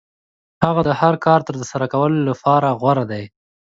هغه د هر کار ترسره کولو لپاره غوره دی.